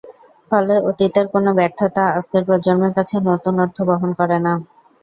ফলে অতীতের কোনো ব্যর্থতা আজকের প্রজন্মের কাছে নতুন অর্থ বহন করে না।